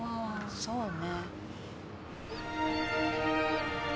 そうね。